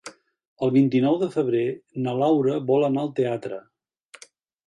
El vint-i-nou de febrer na Laura vol anar al teatre.